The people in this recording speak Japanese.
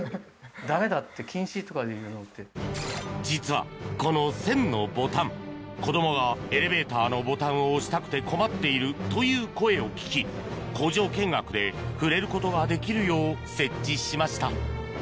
実はこの「１０００のボタン」子どもがエレベーターのボタンを押したくて困っているという声を聞き工場見学で触れることができるよう設置しました。